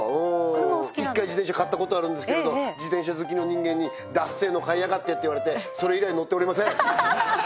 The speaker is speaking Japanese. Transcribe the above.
１回自転車買ったことあるんですけれど自転車好きの人間に「だっせえの買いやがって」って言われてそれ以来乗っておりませんハハハ